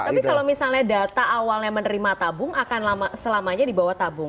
tapi kalau misalnya data awalnya menerima tabung akan selamanya dibawa tabung